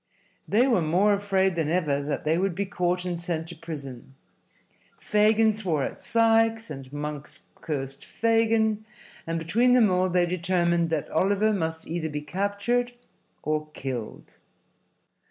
They were more afraid than ever that they would be caught and sent to prison. Fagin swore at Sikes, and Monks cursed Fagin, and between them all they determined that Oliver must either be captured or killed.